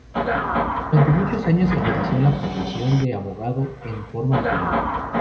Durante muchos años ejerció la profesión de abogado en forma liberal.